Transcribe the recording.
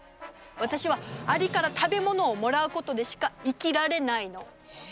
私はアリから食べ物をもらうことでしか生きられないの。